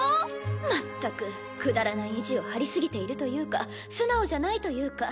まったくくだらない意地を張り過ぎているというか素直じゃないというか。